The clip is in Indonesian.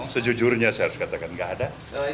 sejujurnya saya harus katakan gak ada